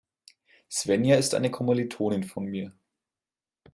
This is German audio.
Svenja ist eine Kommilitonin von mir.